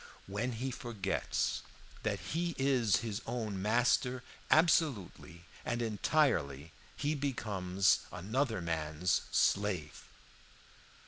When he forgets that he is his own master, absolutely and entirely, he becomes another man's slave.